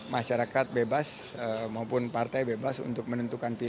masyarakat bebas maupun partai bebas untuk menentukan pilihan